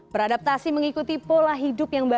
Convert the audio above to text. beradaptasi mengikuti pola hidup yang baik